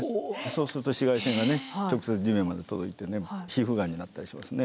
そうすると紫外線が直接地面まで届いて皮膚がんになったりしますね。